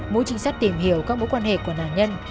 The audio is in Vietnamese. mỗi trinh sát tìm hiểu các mối quan hệ của nạn nhân